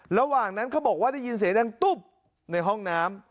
ระหว่างนั้นเขาบอกว่าได้ยินเสียงดังตุ๊บในห้องน้ำ